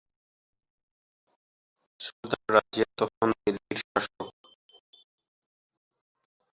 সুলতানা রাজিয়া তখন দিল্লীর শাসক।